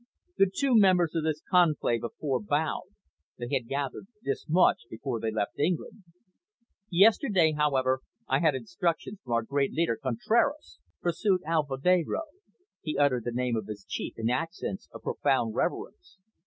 The two members of this conclave of four bowed; they had gathered this much before they left England. "Yesterday, however, I had instructions from our great leader, Contraras," pursued Alvedero; he uttered the name of his chief in accents of profound reverence.